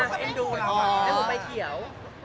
แม่หมูไปเขียว